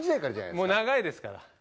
もう長いですから。